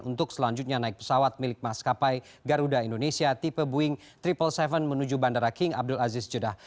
untuk selanjutnya naik pesawat milik maskapai garuda indonesia tipe boeing tujuh ratus tujuh menuju bandara king abdul aziz jeddah